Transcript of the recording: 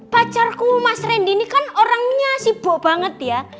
pacarku mas randy ini kan orangnya sibuk banget ya